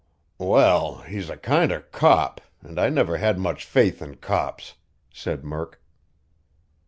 "Well, he's a kind of cop, and I never had much faith in cops," said Murk.